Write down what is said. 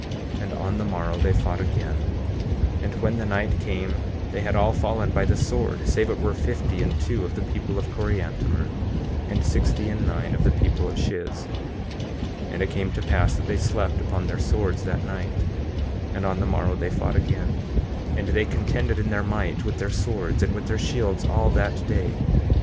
15:23 And on the morrow they fought again; and when the night came they had all fallen by the sword save it were fifty and two of the people of Coriantumr, and sixty and nine of the people of Shiz. 15:24 And it came to pass that they slept upon their swords that night, and on the morrow they fought again, and they contended in their might with their swords and with their shields, all that day.